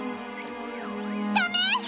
ダメ！